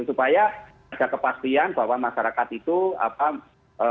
supaya ada kepastian bahwa masyarakat itu apa